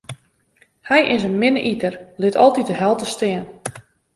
Hy is in minne iter, lit altyd de helte stean.